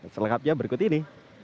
selengkapnya berikut ini